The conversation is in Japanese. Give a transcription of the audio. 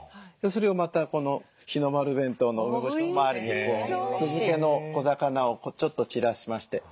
それをまたこの「日の丸弁当」の梅干しの周りに酢漬けの小魚をちょっと散らしまして。